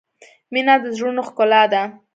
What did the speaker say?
• مینه د زړونو ښکلا ده.